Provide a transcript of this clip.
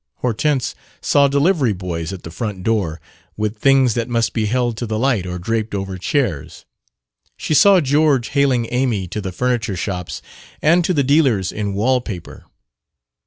Hortense saw delivery boys at the front door, with things that must be held to the light or draped over chairs. She saw George haling Amy to the furniture shops and to the dealers in wall paper.